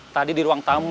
tadi di ruang tamu